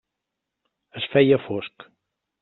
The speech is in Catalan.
Es feia fosc.